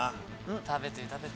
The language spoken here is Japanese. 食べて食べて！